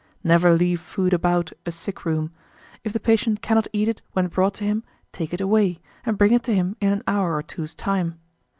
1847. Never leave food about a sick room; if the patient cannot eat it when brought to him, take it away, and bring it to him in an hour or two's time.